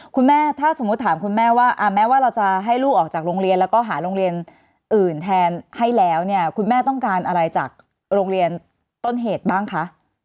คุณแม่ถ้าสมมุติถามคุณแม่ว่าแม้ว่าเราจะให้ลูกออกจากโรงเรียนแล้วก็หาโรงเรียนอื่นแทนให้แล้วเนี่ยคุณแม่ต้องการอะไรจากโรงเรียนต้นเหตุบ้างคะ